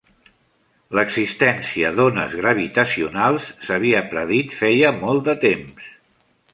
L'existència d'ones gravitacionals s'havia predit feia molt de temps.